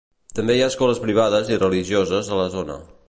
També hi ha escoles privades i religioses a la zona.